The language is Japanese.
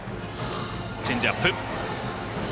チェンジアップ。